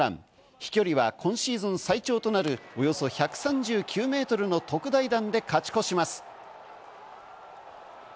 飛距離は今シーズン最長となるおよそ１３９メートルの特大弾で勝ち越します。